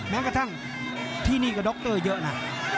แม้กระทั่งที่นี่ก็ดรเยอะนะ